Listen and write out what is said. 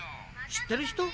知ってる人？